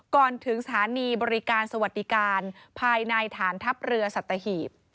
ก่อนถึงสถานีบริการสวัสดิการภายในฐานทัพเรือสัตหีบ